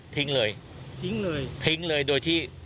ทิ้งเลยทิ้งเลยโดยที่